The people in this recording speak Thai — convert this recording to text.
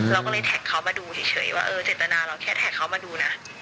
เราก็เลยแท็กเขามาดูเฉยว่าเออเจตนาเราแค่แท็กเขามาดูนะ